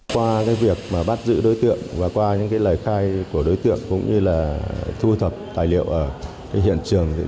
qua việc bắt giữ đối tượng và qua những lời khai của đối tượng cũng như là thu thập tài liệu ở hiện trường